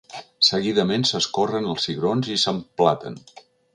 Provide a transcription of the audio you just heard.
Seguidament, s’escorren els cigrons i s’emplaten.